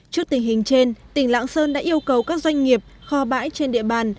trước tình hình trên tỉnh lạng sơn đã yêu cầu các doanh nghiệp kho bãi trên địa bàn